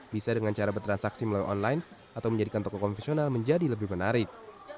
bisa dengan cara bertransaksi melalui online atau menjadikan toko konvensional menjadi lebih menarik